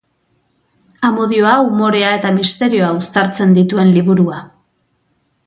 Amodioa, umorea eta misterioa uztartzen dituen liburua.